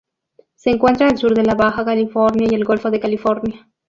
Se encuentra al sur de la Baja California y el Golfo de California.